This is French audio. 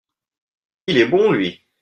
Il est bon, lui !